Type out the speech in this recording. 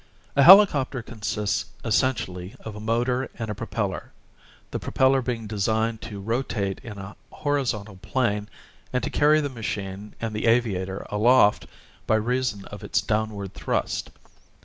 A helicopter consists essentially of a motor and a propeller, the pro peller being designed to rotate in a horizontal plane and to carry the machine and the aviator aloft by reason of its downward thrust.